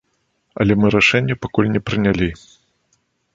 Але мы рашэнне пакуль не прынялі.